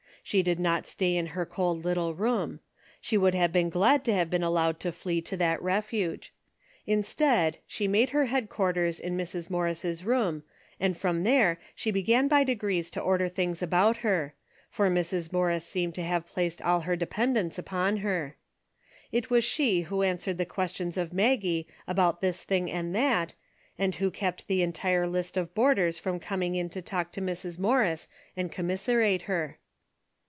She did not stay in her cold little room. She would have been glad to have been allowed to flee to that refuge. Instead, she made her headquarters in Mrs. Morris^ room and from there she began by degj'ees to order things about her, for Mrs. Morris seemed to have placed all her dependence upon her. It was she who answered the questions of Maggie about this thing and that, and who kept the entire list of boarders from coming in to talk to Mrs. Morris and commiserate her.